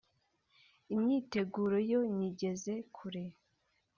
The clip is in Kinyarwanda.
Imyiteguro yo nyigeze kure